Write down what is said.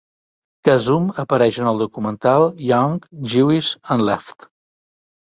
Khazzoom apareix en el documental "Young, Jewish, and Left".